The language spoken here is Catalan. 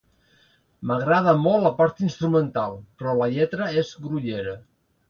M'agrada molt la part instrumental, però la lletra és grollera.